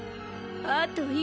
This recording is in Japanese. あと１